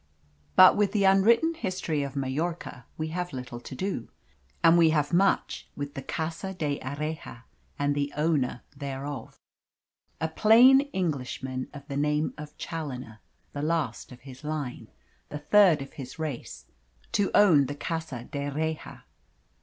But with the unwritten history of Majorca we have little to do, and we have much with the Casa d'Erraha and the owner thereof a plain Englishman of the name of Challoner the last of his line, the third of his race, to own the Casa d'Erraha.